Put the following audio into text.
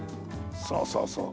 そうそうそう。